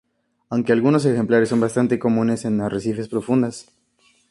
Aunque algunos ejemplares son bastante comunes en arrecifes profundos.